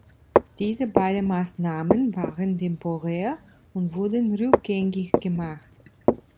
Diese beiden Maßnahmen waren temporär und wurden rückgängig gemacht.